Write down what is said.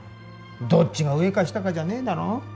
どっちが上か下かじゃねえだろう？